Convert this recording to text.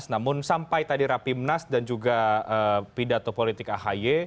namun sampai tadi rapimnas dan juga pidato politik ahy